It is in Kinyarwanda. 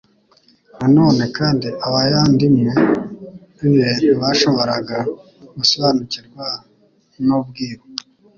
Na none kandi abayandimwe be ntibashoboraga gusobanukirwa n'ubwiru,